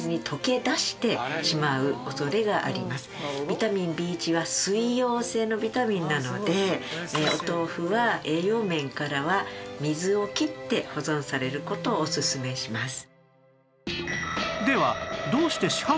ビタミンＢ１は水溶性のビタミンなのでお豆腐は栄養面からは水をきって保存される事をオススメします。